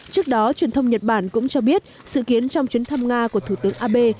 trước đó truyền thông nhật bản cũng cho biết sự kiến trong chuyến thăm nga của thủ tướng abe